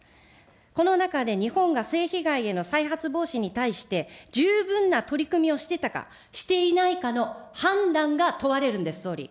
この中で日本が性被害への再発防止に対して、十分な取り組みをしてたか、していないかの判断が問われるんです、総理。